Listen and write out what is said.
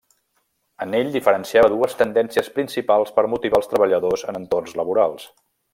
En ell diferenciava dues tendències principals per motivar als treballadors en entorns laborals.